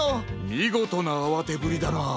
みごとなあわてぶりだな。